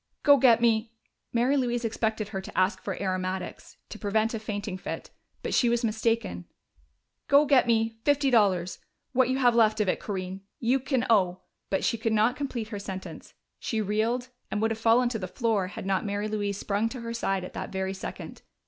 Go get me " Mary Louise expected her to ask for aromatics, to prevent a fainting fit, but she was mistaken "go get me my fifty dollars what you have left of it, Corinne. You can owe " But she could not complete her sentence: she reeled, and would have fallen to the floor had not Mary Louise sprung to her side at that very second.